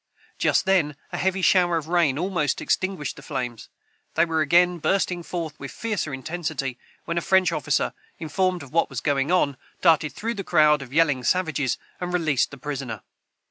Just then a heavy shower of rain almost extinguished the flames. They were again bursting forth with fiercer intensity, when a French officer, informed of what was going on, darted through the crowd of yelling savages, and released the prisoner.